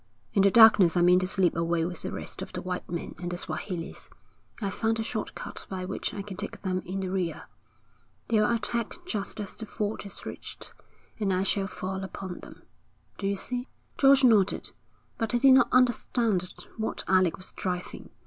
In the darkness I mean to slip away with the rest of the white men and the Swahilis, I've found a short cut by which I can take them in the rear. They'll attack just as the ford is reached, and I shall fall upon them. Do you see?' George nodded, but he did not understand at what Alec was driving.